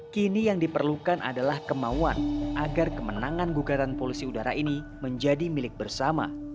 kini yang diperlukan adalah kemauan agar kemenangan gugatan polusi udara ini menjadi milik bersama